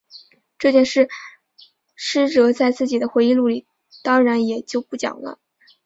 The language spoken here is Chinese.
这件事师哲在自己的回忆录里当然也就不讲了。